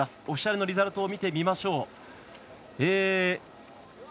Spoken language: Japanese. オフィシャルのリザルトを見てみましょう。